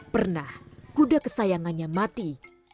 pernah kuda kesayangannya mati